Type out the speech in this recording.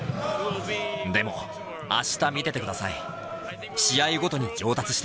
でも、あした見ててください。